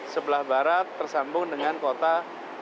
sebelah barat tersambung dengan kota